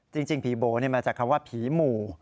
จริงผีโบ๋มาจากคำว่าผีหมู่